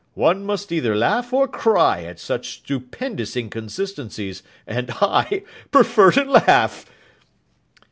One must either laugh or cry at such stupendous inconsistencies; and I prefer to laugh.